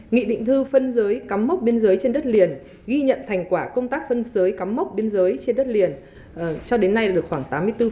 nghị định thư phân giới cắm mốc biên giới trên đất liền ghi nhận thành quả công tác phân giới cắm mốc biên giới trên đất liền cho đến nay được khoảng tám mươi bốn